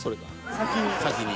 先に。